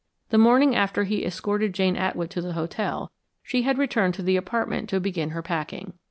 The morning after he escorted Jane Atwood to the hotel, she had returned to the apartment to begin her packing.